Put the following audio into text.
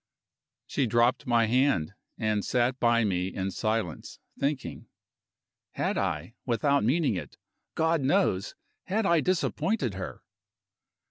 She dropped my hand, and sat by me in silence, thinking. Had I without meaning it, God knows! had I disappointed her?